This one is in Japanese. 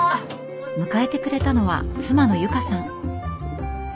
迎えてくれたのは妻の由佳さん。